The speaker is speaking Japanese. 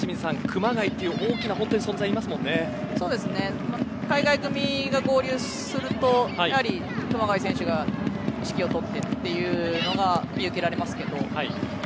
熊谷という本当に大きな海外組が合流するとやはり、熊谷選手が指揮をとってというのが見受けられますけど。